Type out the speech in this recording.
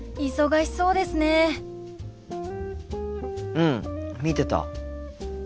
うん見てた。